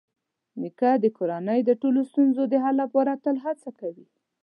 نیکه د کورنۍ د ټولو ستونزو د حل لپاره تل هڅه کوي.